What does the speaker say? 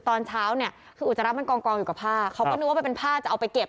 ตอนเช้าเนี่ยคืออุจจาระมันกองอยู่กับผ้าเขาก็นึกว่ามันเป็นผ้าจะเอาไปเก็บ